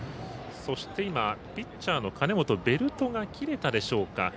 そして今ピッチャーの金本ベルトが切れたでしょうか。